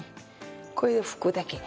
これで拭くだけで。